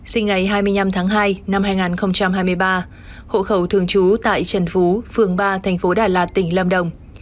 sinh ngày hai mươi năm tháng hai năm hai nghìn hai mươi ba hộ khẩu thường trú tại trần phú phường ba thành phố đà lạt tỉnh lâm đồng